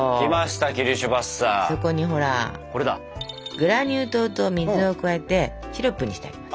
グラニュー糖と水を加えてシロップにしてあります。